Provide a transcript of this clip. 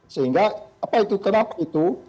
sehingga apa itu kenapa itu